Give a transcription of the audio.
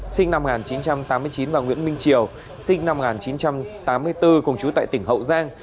sinh năm một nghìn chín trăm tám mươi chín và nguyễn minh triều sinh năm một nghìn chín trăm tám mươi bốn cùng chú tại tỉnh hậu giang